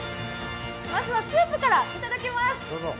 まずはスープから、いただきます。